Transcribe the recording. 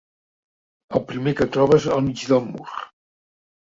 El primer que trobes al mig del mur.